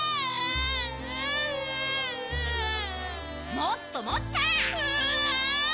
もっともっと！